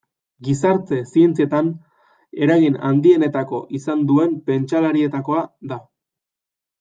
Gizarte zientzietan eragin handienetako izan duen pentsalarietakoa da.